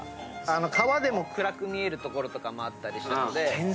川でも暗く見える所とかあったりしたので。